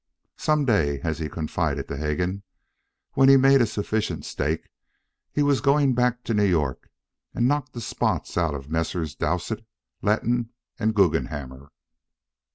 Some day, as he confided to Hegan, when he'd made a sufficient stake, he was going back to New York and knock the spots out of Messrs. Dowsett, Letton, and Guggenhammer.